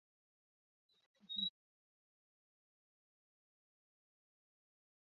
早期的辣椒螃蟹仅仅是用番茄酱爆炒。